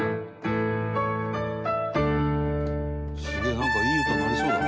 なんかいい歌になりそうだな」